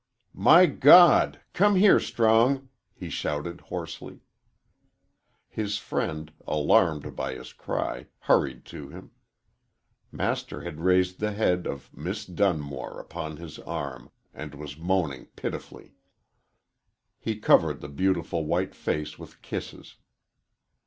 "My God! Come here, Strong!" he shouted, hoarsely. His friend, alarmed by his cry, hurried to him. Master had raised the head of Miss Dun more upon his arm and was moaning pitifully. He covered the beautiful white face with kisses.